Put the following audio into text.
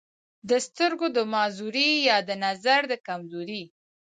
دَسترګو دَمعذورۍ يا دَنظر دَکمزورۍ